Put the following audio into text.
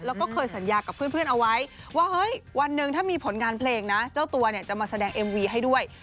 แล้วก็เคยสัญญากับเพื่อนเอาไว้ว่าเฮ้ยวันหนึ่งถ้ามีผลงานเพลงนะเจ้าตัวเนี่ยจะมาแสดงเอ็มวีให้ด้วย